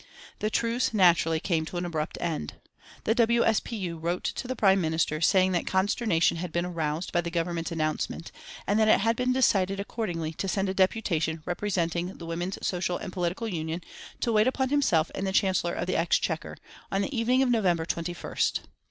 The truce, naturally, came to an abrupt end. The W. S. P. U. wrote to the Prime Minister, saying that consternation had been aroused by the Government's announcement, and that it had been decided accordingly to send a deputation representing the Women's Social and Political Union to wait upon himself and the Chancellor of the Exchequer, on the evening of November 21st.